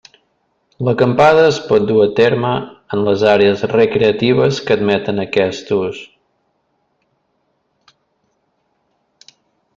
L'acampada es pot dur a terme en les àrees recreatives que admeten aquest ús.